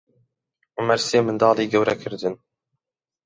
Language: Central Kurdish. عومەر سێ منداڵی گەورە کردن.